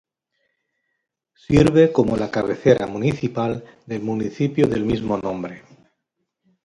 Sirve como la cabecera municipal del municipio del mismo nombre.